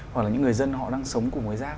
hoặc là những người dân họ đang sống cùng với rác